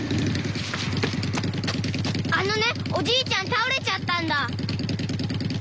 あのねおじいちゃん倒れちゃったんだ。